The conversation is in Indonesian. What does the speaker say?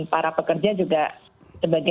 para pekerja juga sebagai